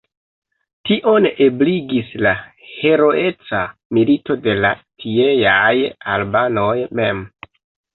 Tion ebligis la heroeca milito de la tieaj albanoj mem.